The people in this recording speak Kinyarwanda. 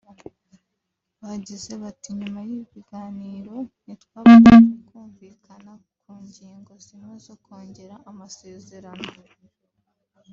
Bagize bati “ Nyuma y’ibiganiro ntitwabashije kumvikana ku ngingo zimwe zo kongera amasezerano